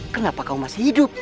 kenapa kau masih hidup